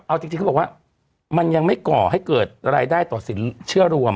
เอาจริงเขาบอกว่ามันยังไม่ก่อให้เกิดรายได้ต่อสินเชื่อรวม